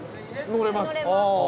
乗れます。